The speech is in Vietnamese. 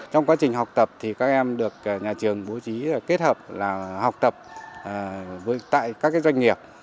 trong quá trình học tập thì các em được nhà trường bố trí kết hợp là học tập tại các doanh nghiệp